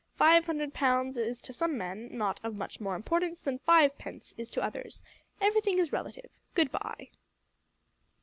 Five hundred pounds is to some men not of much more importance than five pence is to others. Everything is relative. Good bye."